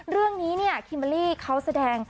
เรื่องนี้เขาแสดง